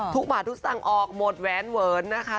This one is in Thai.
ทุกป่าทุกสรรค์ออกหมดแวนเวิร์นนะคะ